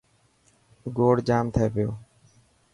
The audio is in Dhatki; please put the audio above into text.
گوڙ جام ٿي پيو.